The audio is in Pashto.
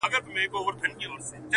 بختور وي چي یې زه غیږي ته ورسم،